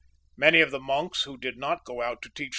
Many of the monks who did not go out to teach the VII.